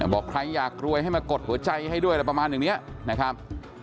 บอกใครอยากรวยให้มากดหัวใจให้ด้วยอะไรประมาณอย่างนี้นะครับ